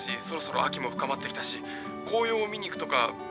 そろそろ秋も深まってきたし紅葉を見に行くとか。